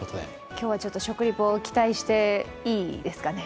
今日は食レポ、期待していいですかね。